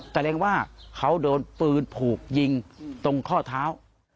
แสดงว่าเขาโดนปืนผูกยิงตรงข้อเท้า